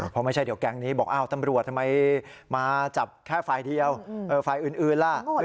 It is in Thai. เพราะไม่ใช่เดี๋ยวแกรงนี้บอกอ้าวตำรวจทำไมมาจับแค่ไฟล์อื่นล่ะ